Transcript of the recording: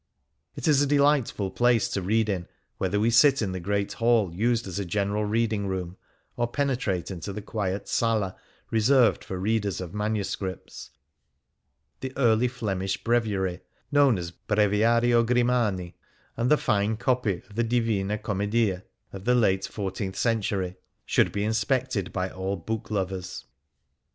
It is a delightful place to read in, whether we sit in the great hall used as a general reading room, or penetrate into the quiet sola reserved for readers of manuscripts. The Early Flemish bi eviary, known as " Breviario Grimani "" and the fine copy of the '• Divina Commedia " of the late fourteenth centuiy, should be inspected by all book lovers.